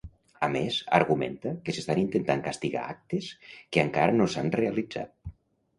A més, argumenta que s'estan intentant castigar actes que encara no s'han realitzat.